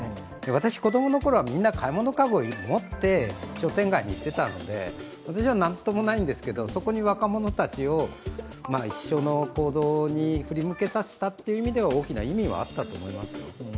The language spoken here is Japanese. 私、子供のころはみんな買い物かごを持って商店街に行っていたので、私は何ともないんですが、そこに若者たちを一緒の行動に振り向けさせた意味では大きな意味はあったと思いますね。